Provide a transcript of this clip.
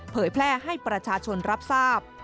แพร่ให้ประชาชนรับทราบ